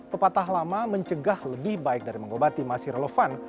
pepatah lama mencegah lebih baik dari mengobati masih relevan